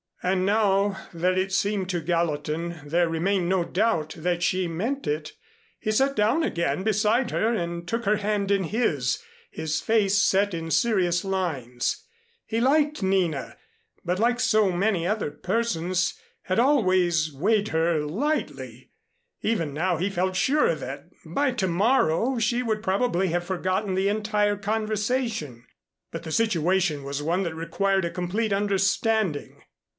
And now that it seemed to Gallatin there remained no doubt that she meant it, he sat down again beside her and took her hand in his, his face set in serious lines. He liked Nina, but like many other persons had always weighed her lightly. Even now he felt sure that, by to morrow, she would probably have forgotten the entire conversation. But the situation was one that required a complete understanding.